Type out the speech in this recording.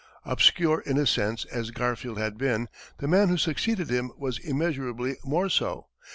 Obscure, in a sense, as Garfield had been, the man who succeeded him was immeasurably more so.